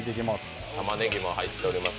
玉ねぎも入っております